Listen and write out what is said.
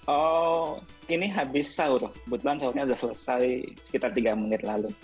oh ini habis sahur kebetulan sahurnya sudah selesai sekitar tiga menit lalu